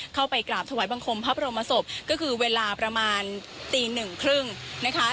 เข้าไปกราบถวายบังคมพระบรมศพก็คือเวลาประมาณตีหนึ่งครึ่งนะคะ